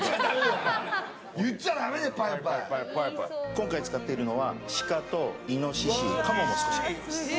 今回使っているのはシカとイノシシカモも少し入っています。